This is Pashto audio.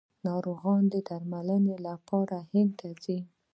ناروغان د درملنې لپاره هند ته ځي.